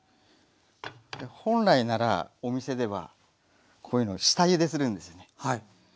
本来ならお店ではこういうの下ゆでするんですよね。